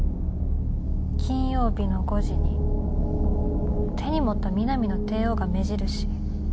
金曜日の５時に手に持った『ミナミの帝王』が目印？